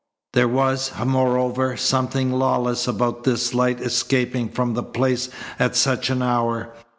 There was, moreover, something lawless about this light escaping from the place at such an hour.